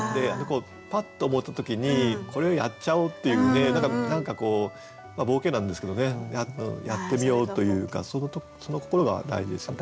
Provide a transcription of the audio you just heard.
パッと思った時にこれをやっちゃおうっていうんで何か冒険なんですけどねやってみようというかその心が大事ですよね。